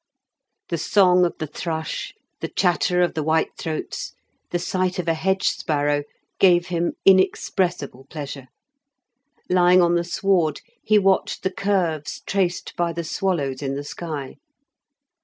The song of the thrush, the chatter of the whitethroats, the sight of a hedge sparrow, gave him inexpressible pleasure. Lying on the sward he watched the curves traced by the swallows in the sky.